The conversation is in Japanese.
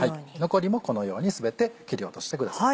残りもこのように全て切り落としてください。